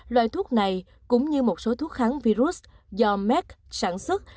loại thuốc này cũng như một số thuốc kháng virus do mec sản xuất